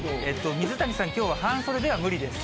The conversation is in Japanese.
水谷さん、きょうは半袖では無理です。